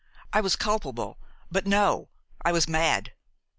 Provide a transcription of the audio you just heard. I was culpable–but no, I was mad!